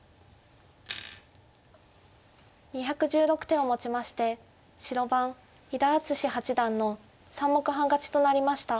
２１６手をもちまして白番伊田篤史八段の３目半勝ちとなりました。